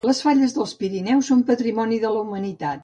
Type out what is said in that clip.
Les falles dels Pirineus són Patrimoni de la Humanitat